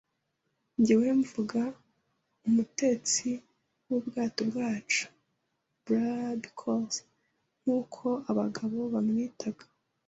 njyewe mvuga umutetsi wubwato bwacu, Barbecue, nkuko abagabo bamwitaga.